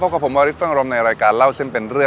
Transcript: พบกับผมวรดิษฐ์เฟื้องอารมณ์ในรายการเล่าเส้นเป็นเรื่อง